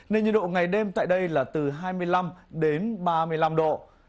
nền nhiệt độ ngày đêm tại đây là từ hai mươi năm đến ba mươi năm độ